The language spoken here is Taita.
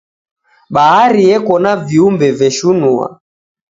Bahari yeko na viumbe veshunua.